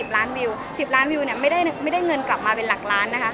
๑๐ล้านวิวเนี่ยไม่ได้เงินกลับมาเป็นหลักล้านนะคะ